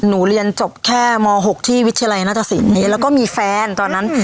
เรียนจบแค่ม๖ที่วิทยาลัยนัตตสินแล้วก็มีแฟนตอนนั้น